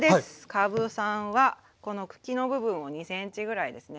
かぶさんはこの茎の部分を２ｃｍぐらいですね